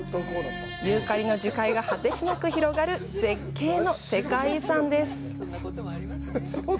ユーカリの樹海が果てしなく広がる絶景の世界遺産です。